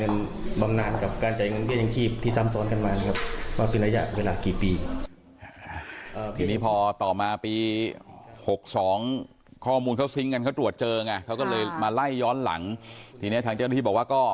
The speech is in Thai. นั้นครับ